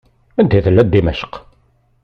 Anda tella Dimecq?